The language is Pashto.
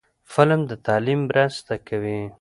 فلم د تعلیم مرسته کوي